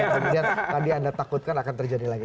kemudian tadi anda takutkan akan terjadi lagi